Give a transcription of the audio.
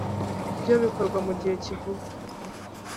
byo bikorwa mu gihe kivugwa